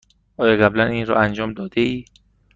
آیا قبلا این را انجام داده ای؟